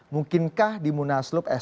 mungkinkah di munaslup esok hari